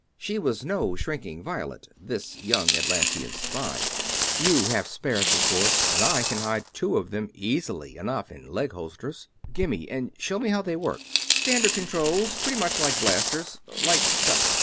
She was no shrinking violet this young Atlantean spy. "You have spares, of course, and I can hide two of them easily enough in leg holsters. Gimme, and show me how they work." "Standard controls, pretty much like blasters. Like so."